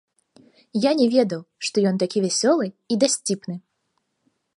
Я не ведаў, што ён такі вясёлы і дасціпны.